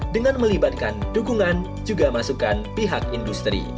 dengan melibatkan dukungan juga masukan pihak industri